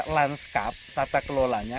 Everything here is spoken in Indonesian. landskap tata kelolanya